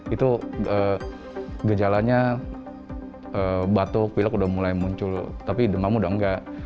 itu gejalanya batuk pilek udah mulai muncul tapi demam udah enggak